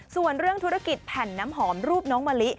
ส่วนเรื่องธุรกิจแผ่นน้ำหอมรูปน้องมะลิ